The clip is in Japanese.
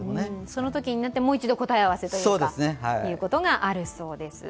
そのときになって、もう一度答え合わせということがあるそうです。